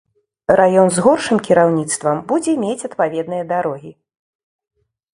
Раён з горшым кіраўніцтвам будзе мець адпаведныя дарогі.